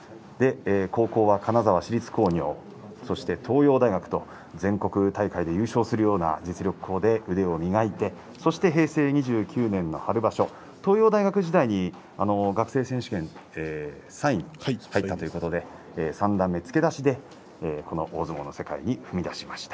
高校は金沢市立工業そして東洋大学と全国大会で優勝するような実力校で腕を磨いて平成２９年春場所東洋大学時代に学生選手権３位に入ったということで三段目付け出しで大相撲の世界に踏み出しました。